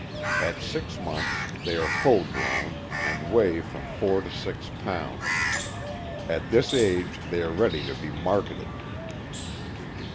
At six months they are full grown, and weigh from four to six lbs. At this age they are ready to be marketed.